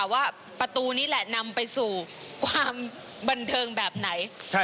ว่าประตูนี้แหละนำไปสู่ความบันเทิงแบบไหน